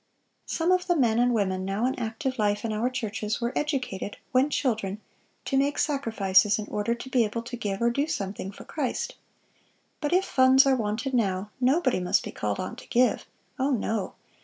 "Some of the men and women now in active life in our churches were educated, when children, to make sacrifices in order to be able to give or do something for Christ." But "if funds are wanted now, ... nobody must be called on to give. Oh, no!